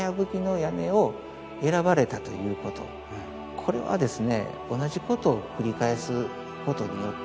これはですね。